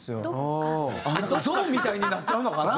ゾーンみたいになっちゃうのかな？